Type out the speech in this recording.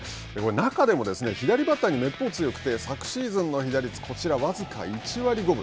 中でもですね、左バッターにめっぽう強くて、昨シーズンの被打率、こちら、僅か１割５分。